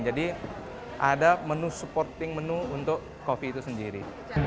jadi ada menu supporting menu untuk kopi itu sendiri